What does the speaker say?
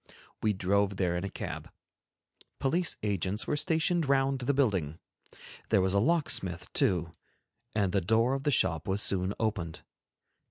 We drove there in a cab. Police agents were stationed round the building; there was a locksmith, too, and the door of the shop was soon opened.